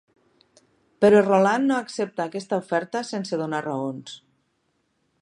Però Roland no accepta aquesta oferta sense donar raons.